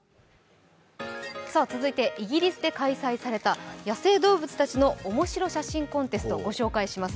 続いてイギリスで開催された野生動物たちのおもしろ写真コンテストご紹介します。